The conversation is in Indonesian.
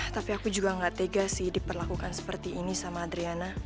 tapi aku juga gak tega sih diperlakukan seperti ini sama adriana